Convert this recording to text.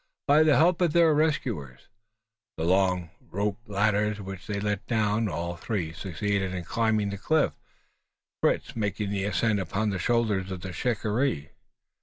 By the help of their rescuers, and the long rope ladders which they let down, all three succeeded in climbing the cliff Fritz making the ascent upon the shoulders of the shikaree!